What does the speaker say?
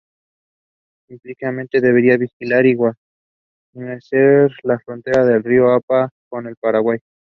Implícitamente, debería vigilar y guarnecer la frontera del río Apa con el Paraguay.